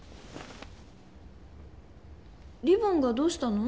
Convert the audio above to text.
リボンがどうしたの？